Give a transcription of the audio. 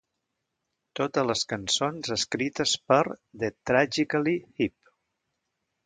Totes les cançons escrites per The Tragically Hip.